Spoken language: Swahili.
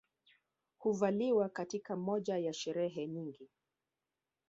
Huvaliwa katika moja ya sherehe nyingi